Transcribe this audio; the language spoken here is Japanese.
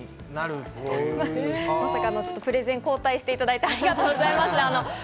まさかのプレゼンを交代していただいてありがとうございます。